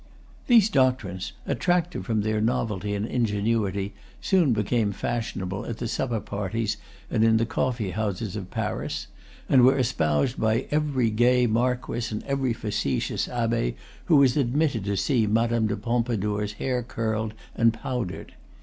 These doctrines, attractive from their novelty and ingenuity, soon became fashionable at the supper parties and in the coffee houses of Paris, and were espoused by every gay marquis and every facetious abbé who was admitted to see Madame de Pompadour's hair curled and powdered.